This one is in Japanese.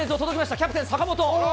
キャプテン、坂本。